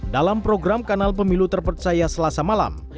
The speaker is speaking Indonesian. dalam program kanal pemilu terpercaya selasa malam